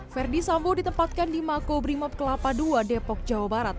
verdi sambo ditempatkan di makobrimob kelapa ii depok jawa barat